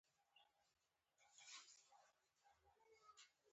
د هېواد په سلو کې نوي وګړي بزګران وو او ژوند یې سخت و.